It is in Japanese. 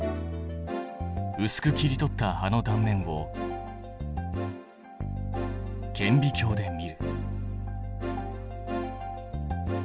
うすく切り取った葉の断面を顕微鏡で見る。